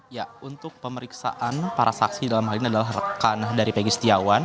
ya untuk pemeriksaan para saksi dalam hal ini adalah rekan dari pegi setiawan